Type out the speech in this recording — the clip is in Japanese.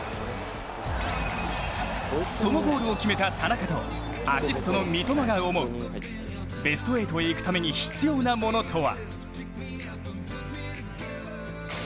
そのゴールを決めた田中とアシストの三笘が思うベスト８へ行くために必要なものとは。